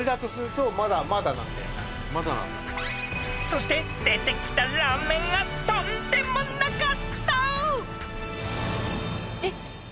［そして出てきたラーメンがとんでもなかった］えっ？